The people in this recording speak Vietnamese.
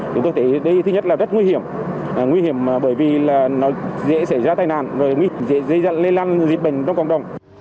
chúng tôi thấy đây là thứ nhất là rất nguy hiểm nguy hiểm bởi vì là nó dễ xảy ra tai nạn dễ lây lan dịch bệnh trong cộng đồng